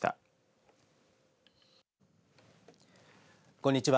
こんにちは。